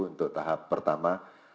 untuk tahap pertama